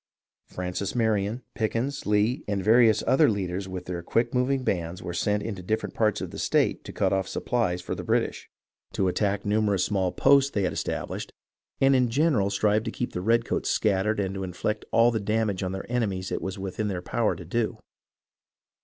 Francis Marion, Pickens, Lee, and various other leaders with their quick moving bands were sent into different parts of the state to cut off supplies for the British, to 340 HISTORY OF THE AMERICAN REVOLUTION attack the numerous small posts they had established, and in general strive to keep the redcoats scattered and to inflict all the damage on their enemies it was within their power to do.